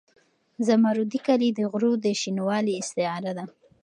زمردي کالي د غرو د شینوالي استعاره ده.